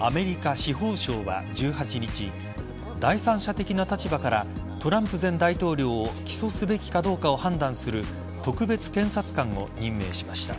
アメリカ司法省は１８日第三者的な立場からトランプ前大統領を起訴すべきかどうかを判断する特別検察官を任命しました。